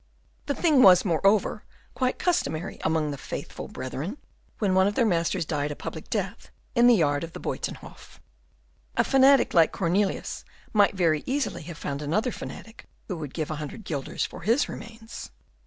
The thing was, moreover, quite customary among the "faithful brethren," when one of their masters died a public death in the yard of the Buytenhof. A fanatic like Cornelius might very easily have found another fanatic who would give a hundred guilders for his remains.